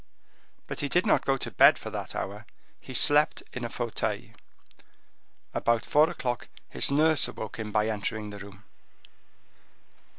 But he did not go to bed for that hour; he slept in a fauteuil. About four o'clock his nurse awoke him by entering the room.